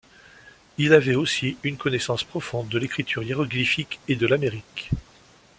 Il avait aussi une connaissance profonde de l’écriture hiéroglyphique et de l’Amérique.